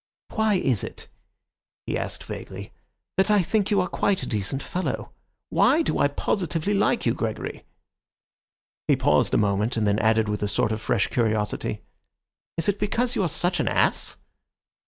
"Why is it," he asked vaguely, "that I think you are quite a decent fellow? Why do I positively like you, Gregory?" He paused a moment, and then added with a sort of fresh curiosity, "Is it because you are such an ass?"